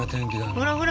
ほらほら